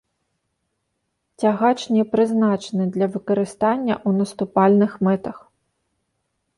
Цягач не прызначаны для выкарыстання ў наступальных мэтах.